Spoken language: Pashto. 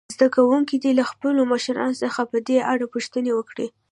زده کوونکي دې له خپلو مشرانو څخه په دې اړه پوښتنې وکړي.